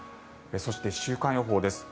そして週間予報です。